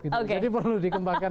jadi perlu dikembangkan